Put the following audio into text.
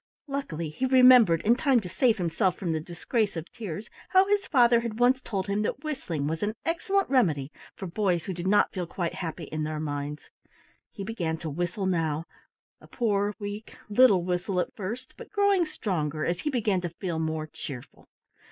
Luckily he remembered, in time to save himself from the disgrace of tears, how his father had once told him that whistling was an excellent remedy for boys who did not feel quite happy in their minds. He began to whistle now, a poor, weak, little whistle at first, but growing stronger as he began to feel more cheerful.